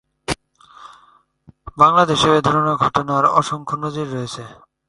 বাংলাদেশেও এধরনের ঘটনার অসংখ্য নজির রয়েছে।